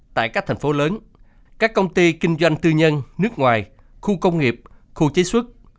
tại các thành phố lớn các công ty kinh doanh tư nhân nước ngoài khu công nghiệp khu chế xuất